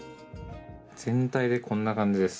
全体でこんな感じです。